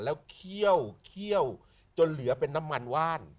แล้วเคี่ยวจนเหลือเป็นน้ำมันว่าน